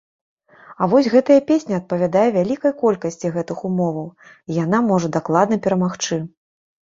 А вось гэтая песня адпавядае вялікай колькасці гэтых умоваў, і яна можа дакладна перамагчы.